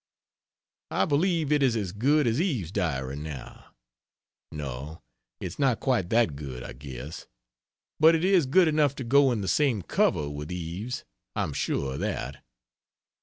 I believe it is as good as Eve's Diary now no, it's not quite that good, I guess, but it is good enough to go in the same cover with Eve's. I'm sure of that.